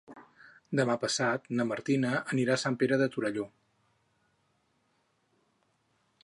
Demà passat na Martina anirà a Sant Pere de Torelló.